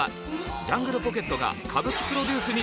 ジャングルポケットが歌舞伎プロデュースに挑戦。